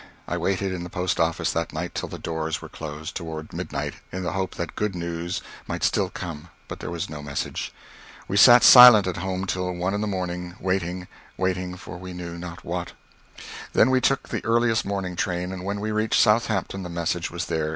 I waited in the post office that night till the doors were closed, toward midnight, in the hope that good news might still come, but there was no message. We sat silent at home till one in the morning, waiting waiting for we knew not what. Then we took the earliest morning train, and when we reached Southampton the message was there.